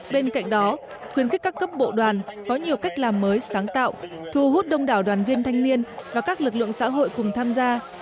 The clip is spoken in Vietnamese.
bên cạnh đó khuyến khích các cấp bộ đoàn có nhiều cách làm mới sáng tạo thu hút đông đảo đoàn viên thanh niên và các lực lượng xã hội cùng tham gia